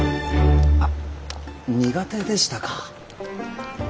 あ苦手でしたか。